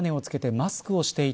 マスクをしていた。